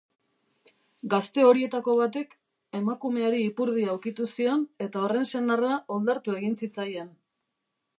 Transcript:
Gazte horietako batek emakumeari ipurdia ukitu zion eta horren senarra oldartu egin zitzaien.